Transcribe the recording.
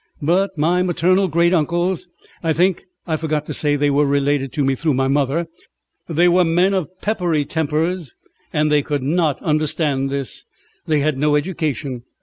But my maternal great uncles I think I forgot to say they were related to me through my mother they were men of peppery tempers and they could not understand this. They had no education.